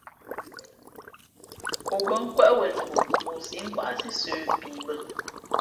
O bα̌ nkwéʼ wenok, mα o sǐʼ nkwáʼsí sə̌ pii bᾱ.